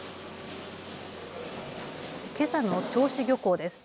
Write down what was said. けさの銚子漁港です。